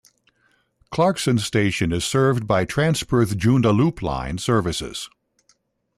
Clarkson station is served by Transperth Joondalup line services.